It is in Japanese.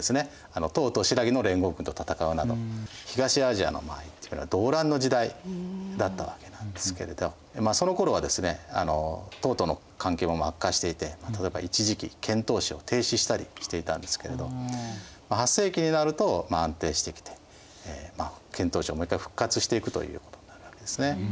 唐と新羅の連合軍と戦うなど東アジアのまあ言ってみれば動乱の時代だったわけなんですけれどそのころはですね唐との関係も悪化していて例えば一時期遣唐使を停止したりしていたんですけれど８世紀になると安定してきて遣唐使をもう一回復活していくということになるわけですね。